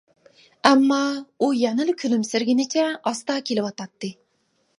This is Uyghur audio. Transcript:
ئەمما، ئۇ يەنىلا كۈلۈمسىرىگىنىچە ئاستا كېلىۋاتاتتى.